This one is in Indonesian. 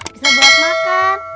bisa buat makan